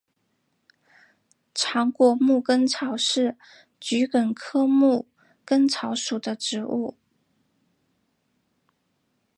长果牧根草是桔梗科牧根草属的植物。